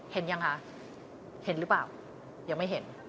ยังคะเห็นหรือเปล่ายังไม่เห็น